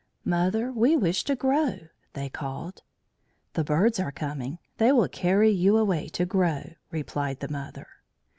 "Mother, we wish to grow," they called. "The birds are coming. They will carry you away to grow," replied the mother.